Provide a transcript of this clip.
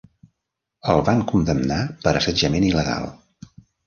El van condemnar per assetjament il·legal.